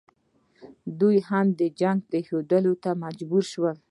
دی هم د جنګ پرېښودلو ته مجبور شو.